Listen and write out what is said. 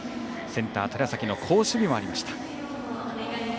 センター、寺崎の好守備もありました。